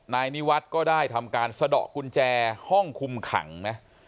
นายนิวัฒน์ก็ได้ทำการสะดอกกุญแจห้องคุมขังนะ